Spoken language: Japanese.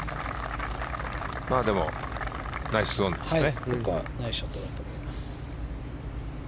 でもナイスオンですね。